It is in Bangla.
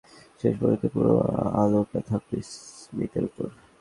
তবে কাল সিডনির ঝলমলে রাতে শেষ পর্যন্ত পুরো আলোটা থাকল স্মিথের ওপর।